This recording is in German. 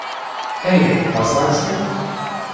Hey, was sagst du?